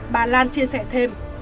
bà lan chia sẻ thêm